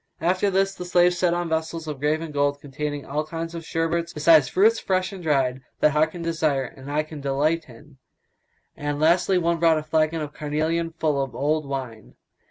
After this the slaves set on vessels of graven gold, containing all kinds of sherbets, besides fruits fresh and dried, that heart can desire and eye delight in; and lastly one brought a flagon of carnelion full of old wine.